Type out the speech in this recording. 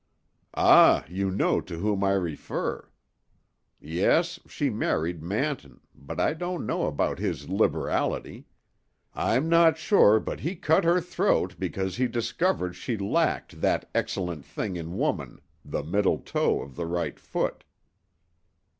"Ah, you know to whom I refer. Yes, she married Manton, but I don't know about his liberality; I'm not sure but he cut her throat because he discovered that she lacked that excellent thing in woman, the middle toe of the right foot."